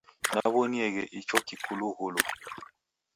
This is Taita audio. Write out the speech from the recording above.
Naw'onieghe icho kikulughulu.